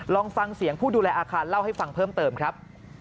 ลองฟังเสียงผู้ดูแลอาคารเล่าให้ฟังเพิ่มเติมครับ